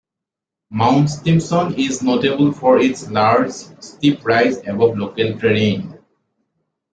Mount Stimson is notable for its large, steep rise above local terrain.